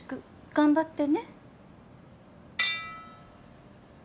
頑張って。